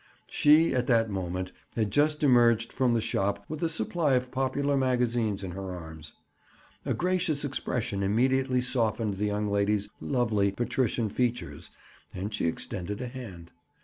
She, at that moment, had just emerged from the shop with a supply of popular magazines in her arms. A gracious expression immediately softened the young lady's lovely patrician features and she extended a hand.